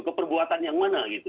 keperbuatan yang mana gitu